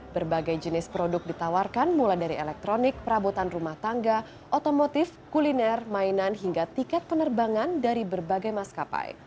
berbagai jenis produk ditawarkan mulai dari elektronik perabotan rumah tangga otomotif kuliner mainan hingga tiket penerbangan dari berbagai maskapai